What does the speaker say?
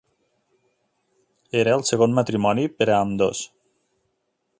Era el segon matrimoni per a ambdós.